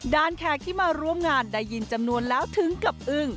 แขกที่มาร่วมงานได้ยินจำนวนแล้วถึงกับอึ้ง